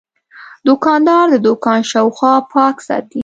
دوکاندار د دوکان شاوخوا پاک ساتي.